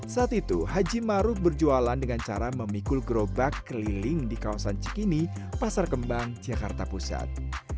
saat itu haji maruf berjualan dengan cara memikul gerobak keliling di kawasan cikini pasar kembang jakarta pusat